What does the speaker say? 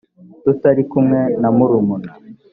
tutari kumwe na murumuna